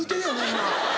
今。